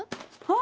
あ！